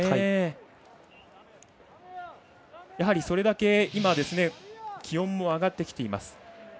それだけ今気温も上がってきています。